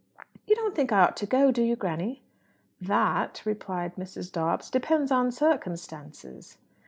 "You don't think I ought to go, do you, granny?" "That," replied Mrs. Dobbs, "depends on circumstances."